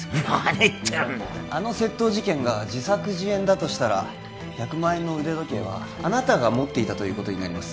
何言ってんだあの窃盗事件が自作自演だとしたら１００万円の腕時計はあなたが持っていたということになります